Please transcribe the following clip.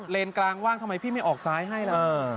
กลางว่างทำไมพี่ไม่ออกซ้ายให้ล่ะ